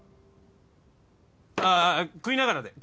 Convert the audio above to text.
あああ食いながらで。